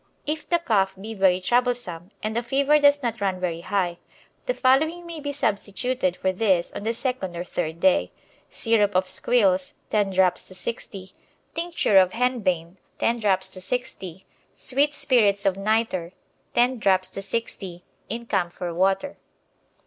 If the cough be very troublesome and the fever does not run very high, the following may be substituted for this on the second or third day: Syrup of squills, 10 drops to 60; tincture of henbane, 10 drops to 60; sweet spirits of nitre, 10 drops to 60, in camphor water.